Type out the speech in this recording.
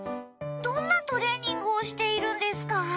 どんなトレーニングをしているんですか？